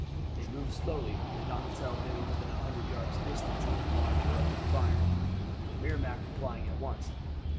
They moved slowly, and not until they were within a hundred yards distance did the Monitor open fire, the Merrimac replying at once.